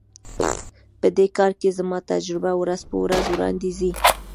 په دې کار کې زما تجربه ورځ په ورځ وړاندي ځي.